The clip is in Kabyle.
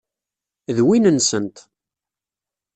D win-nsent.